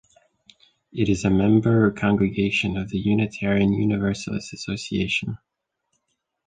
It is a member congregation of the Unitarian Universalist Association.